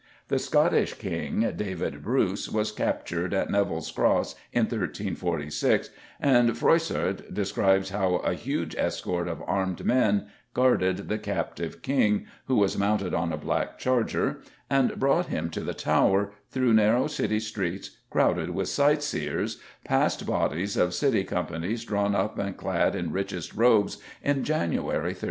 The Scottish King, David Bruce, was captured at Neville's Cross in 1346, and Froissart describes how a huge escort of armed men guarded the captive King who was mounted on a black charger and brought him to the Tower, through narrow City streets crowded with sightseers, past bodies of City Companies drawn up and clad in richest robes, in January 1347.